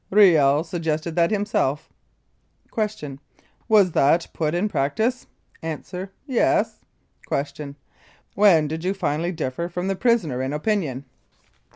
Riel suggested that himself. Q. Was that put in practice? A. Yes. Q. When did you finally differ from the prisoner in opinion